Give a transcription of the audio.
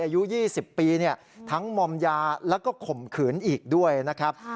อายุยี่สิบปีเนี่ยทั้งมอมยาแล้วก็ข่มขืนอีกด้วยนะครับ